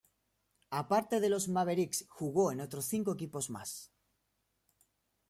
A parte de los Mavericks, jugó en otros cinco equipos más.